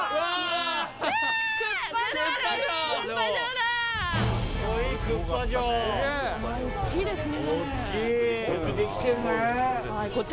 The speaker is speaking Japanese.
大きいですね。